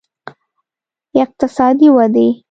اقتصادي ودې